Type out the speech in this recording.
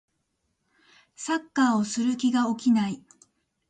サッカーをする気が起きない